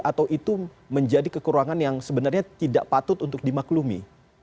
atau itu menjadi kekurangan yang sebenarnya tidak patut untuk dimaklumi